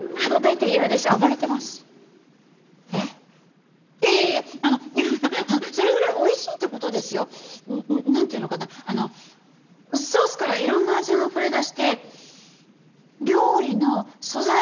いやいやいやあのそれぐらい美味しいって事ですよ。なんていうのかなあのソースからいろんな味があふれ出して料理の素材